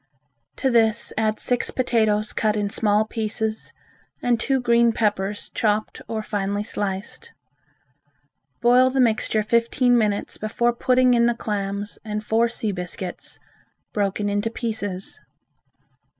To this add six potatoes cut in small pieces and two green peppers chopped or finely sliced. Boil the mixture fifteen minutes before putting in the clams and four sea biscuits, broken into pieces.